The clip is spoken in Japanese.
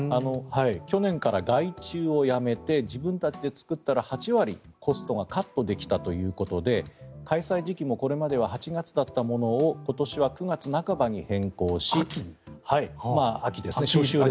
去年から外注をやめて自分たちで作ったら８割、コストがカットできたということで開催時期もこれまでは８月だったものを今年は９月半ばに変更し秋ですね。